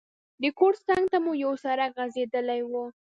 د کور څنګ ته مو یو سړک غځېدلی وو.